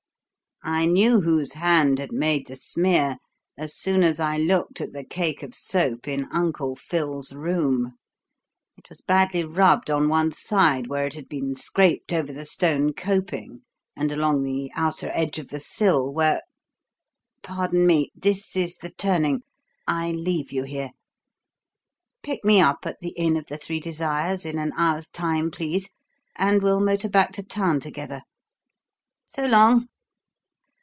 I knew whose hand had made the smear as soon as I looked at the cake of soap in 'Uncle Phil's' room it was badly rubbed on one side where it had been scraped over the stone coping and along the outer edge of the sill where Pardon me: this is the turning I leave you here. Pick me up at the inn of the Three Desires in an hour's time, please, and we'll motor back to town together. So long!"